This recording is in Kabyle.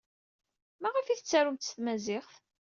Maɣef ur t-tettarumt s tmaziɣt?